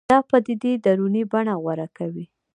دا پدیدې دروني بڼه غوره کوي